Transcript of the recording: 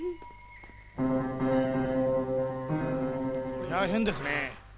こりゃあ変ですねえ。